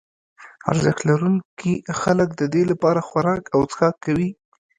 ارزښت لرونکي خلک ددې لپاره خوراک او څښاک کوي.